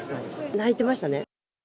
泣いてましたね。